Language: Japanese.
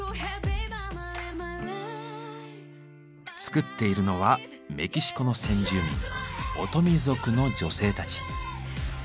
作っているのはメキシコの先住民オトミ族の女性たち。